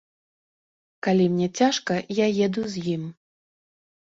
Калі мне цяжка, я еду з ім.